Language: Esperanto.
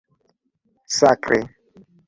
Sakre!